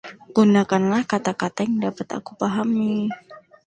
Gunakanlah kata-kata yang dapat aku pahami.